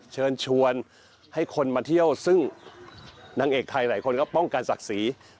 เชิญชวนให้คนมาเที่ยวซึ่งนางเอกไทยหลายคนก็ป้องกันศักดิ์ศรี